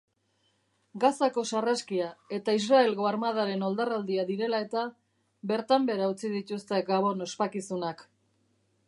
Gazako sarraskia eta Israelgo armadaren oldarraldia direla eta, bertan behera utzi dituzte gabon ospakizunak